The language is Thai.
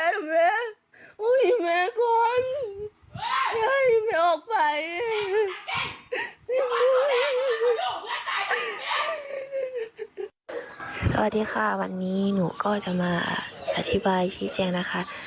สวัสดีค่ะวันนี้หนูก็จะมาอธิบายชี้แจงนะคะ